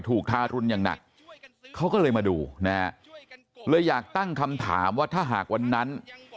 ทารุณอย่างหนักเขาก็เลยมาดูนะฮะเลยอยากตั้งคำถามว่าถ้าหากวันนั้น